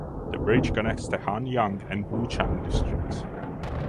The bridge connects the Hanyang and Wuchang districts.